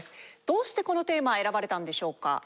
どうしてこのテーマ選ばれたんでしょうか？